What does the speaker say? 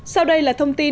sau đây là thông tin